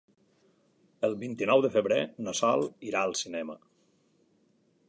El vint-i-nou de febrer na Sol irà al cinema.